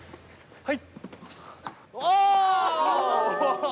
はい。